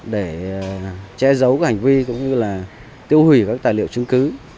để che giấu hành vi cũng như tiêu hủy các tài liệu chứng cứ